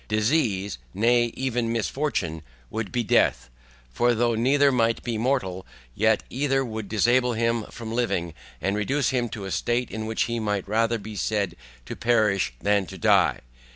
Disease, nay even misfortune would be death, for though neither might be mortal, yet either would disable him from living, and reduce him to a state in which he might rather be said to perish than to die.